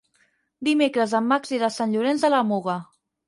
Dimecres en Max irà a Sant Llorenç de la Muga.